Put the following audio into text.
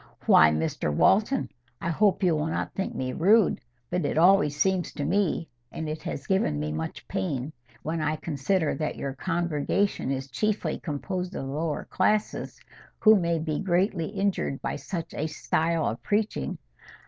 "Why, Mr Walton—I hope you will not think me rude, but it always seems to me—and it has given me much pain, when I consider that your congregation is chiefly composed of the lower classes, who may be greatly injured by such a style of preaching.